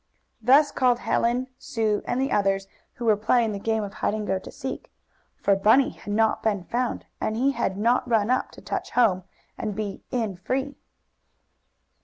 Thus called Helen, Sue and the others who were playing the game of hide and go to seek. For Bunny had not been found, and he had not run up to touch "home," and be "in free."